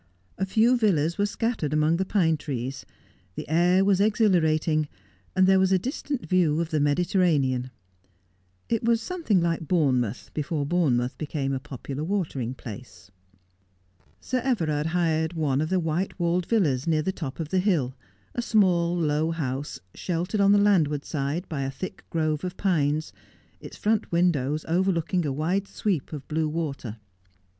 A few villas were scattered among the pine trees. The air was exhilarating, and there was a distant view of the Mediterranean. It was something like Bournemouth, before Bournemouth became a popular watering place. '. Sir Everard hired one of the white vailed villas near the top of the hill, a small low house, sheltered ou the landward side by a thick grove of pines, its front windows overlooking a wide sweep of blue water.